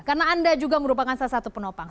karena anda juga merupakan salah satu penopang